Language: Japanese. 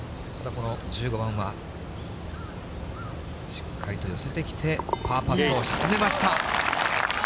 この１５番は、しっかりと寄せてきて、パーパットを沈めました。